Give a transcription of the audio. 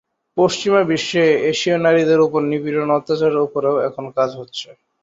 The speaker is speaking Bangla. পশ্চিমা বিশ্বে এশীয় নারীদের উপর নিপীড়ন ও অত্যাচারের উপরেও এখন কাজ হচ্ছে।